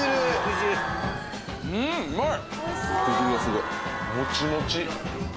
うんうまい。